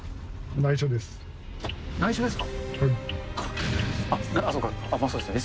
内緒ですか。